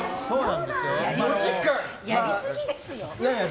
やりすぎですよ。